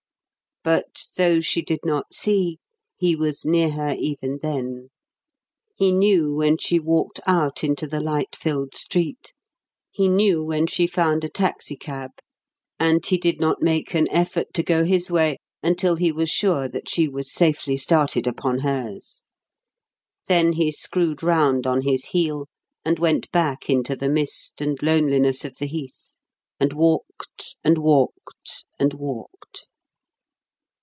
But, though she did not see, he was near her even then. He knew when she walked out into the light filled street; he knew when she found a taxicab; and he did not make an effort to go his way until he was sure that she was safely started upon hers. Then he screwed round on his heel and went back into the mist and loneliness of the heath, and walked, and walked, and walked.